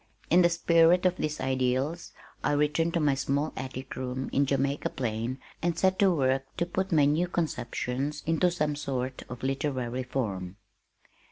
In the spirit of these ideals I returned to my small attic room in Jamaica Plain and set to work to put my new conceptions into some sort of literary form.